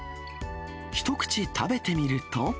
一口食べてみると。